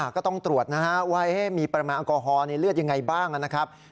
ก็ต้องตรวจนะฮะว่ามีปริมาณแอลกอฮอล์ในเลือดยังไงบ้างนะครับ